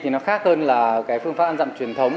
nó khác hơn là phương pháp ăn dặm truyền thống